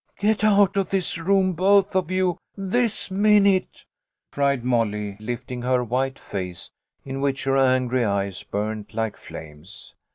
Get out of this room, both of you ! This minute !" cried Molly, lifting her white MOLLY'S STORY. 79 face in which her angry eyes burned like flames.